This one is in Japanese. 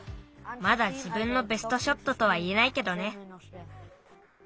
まだじぶんのベストショットとはいえないけどね。